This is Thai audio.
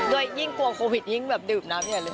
ด้วยยิ่งกว่าโควิดยิ่งแบบดื่มน้ำอย่างนี้เลย